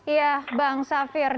iya bang safir